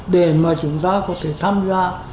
để mà chúng ta có thể tham gia